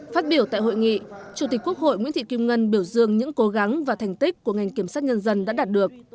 phát biểu tại hội nghị chủ tịch quốc hội nguyễn thị kim ngân biểu dương những cố gắng và thành tích của ngành kiểm sát nhân dân đã đạt được